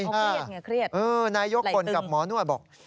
อ๋อเครียดไงเครียดไหล่ตึงนายโยคกลกับหมอนวดบอก